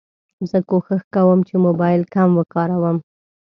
زه کوښښ کوم چې موبایل کم وکاروم.